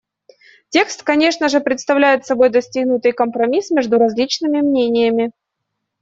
Текст, конечно же, представляет собой достигнутый компромисс между различными мнениями.